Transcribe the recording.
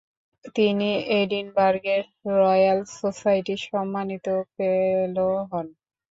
তিনি এডিনবার্গের Royal Society সম্মানিত ফেলো হন।